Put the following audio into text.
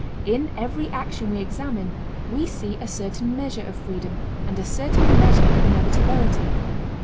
In every action we examine we see a certain measure of freedom and a certain measure of inevitability.